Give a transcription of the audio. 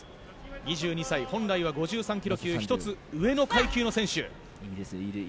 ２２歳、本来は５３ｋｇ級１つ上の階級の選手。